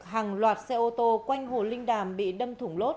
hàng loạt xe ô tô quanh hồ linh đàm